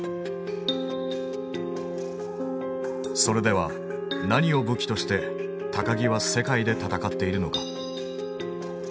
それでは何を武器として木は世界で戦っているのか。